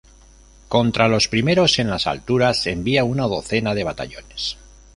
Contra los primeros, en las alturas, envía una docena de batallones.